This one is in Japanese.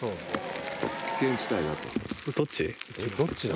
どっち？